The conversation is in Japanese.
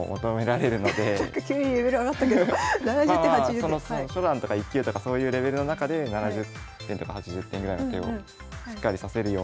まあまあその初段とか１級とかそういうレベルの中で７０点とか８０点ぐらいの手をしっかり指せるように。